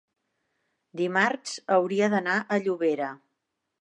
dimarts hauria d'anar a Llobera.